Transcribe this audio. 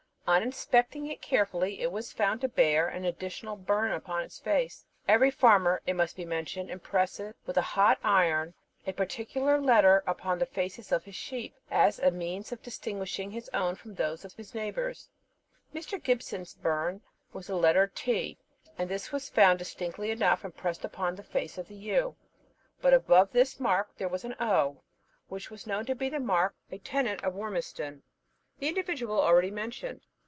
On inspecting it carefully, it was found to bear an additional birn upon its face. Every farmer, it must be mentioned, impresses with a hot iron a particular letter upon the faces of his sheep, as a means of distinguishing his own from those of his neighbours. Mr. Gibson's birn was the letter T, and this was found distinctly enough impressed on the face of the ewe. But above this mark there was an O, which was known to be the mark of the tenant of Wormiston, the individual already mentioned.